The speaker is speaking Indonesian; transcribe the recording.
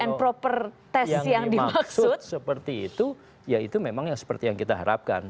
ya saya pikir kalau yang dimaksud seperti itu ya itu memang yang seperti yang kita harapkan